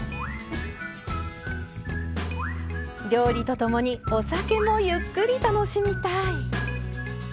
料理とともにお酒もゆっくり楽しみたい。